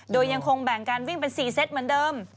โดยยังคงแบ่งการวิ่งเป็น๔เซตเหมือนเดิม